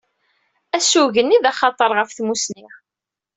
Asugen i d axatar ɣef tmusni.